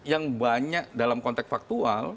yang banyak dalam konteks faktual